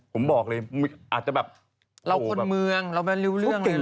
ผมบอกเลยอาจจะแบบโฆ่าวกลมืองเราไม่รู้เรื่องอะไรหรอก